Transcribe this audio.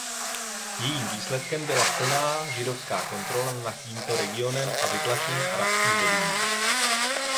Jejím výsledkem byla plná židovská kontrola na tímto regionem a vytlačení arabských beduínů.